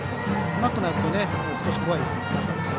甘くなると少し怖いバッターですよ。